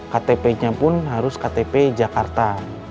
ktpnya pun harus ktp jakarta